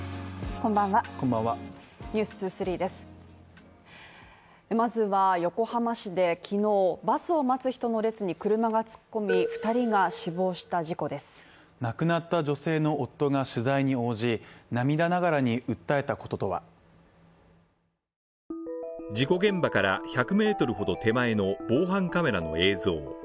こんばんは「ｎｅｗｓ２３」ですまずは横浜市できのう、バスを待つ人の列に車が突っ込み、２人が死亡した事故で、亡くなった女性の夫が取材に応じ、涙ながらに訴えたことは事故現場から１００ｍほど手前の防犯カメラの映像。